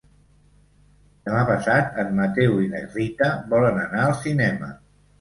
Demà passat en Mateu i na Rita volen anar al cinema.